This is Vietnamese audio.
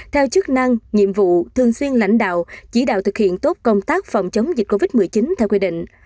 theo chức năng nhiệm vụ thường xuyên lãnh đạo chỉ đạo thực hiện tốt công tác phòng chống dịch covid một mươi chín theo quy định